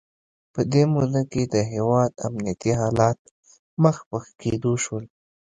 په دې موده کې د هیواد امنیتي حالات مخ په ښه کېدو شول.